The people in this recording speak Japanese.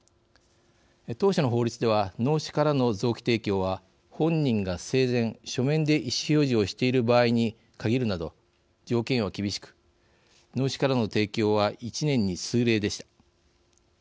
当初の法律では脳死からの臓器提供は本人が生前、書面で意思表示をしている場合に限るなど、条件は厳しく脳死からの提供は１年に数例でした。